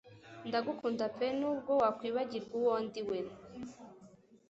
Ndagukunda pe nubwo wakwibagirwa uwo ndi we